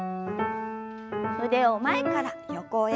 腕を前から横へ。